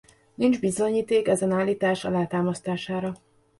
Nincs bizonyíték ezen állítás alátámasztására.